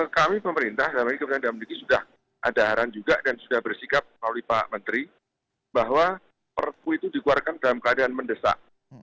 kami pemerintah dalam hal ini kementerian dalam negeri sudah ada arahan juga dan sudah bersikap melalui pak menteri bahwa perpu itu dikeluarkan dalam keadaan mendesak